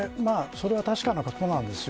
それは確かなことなんです。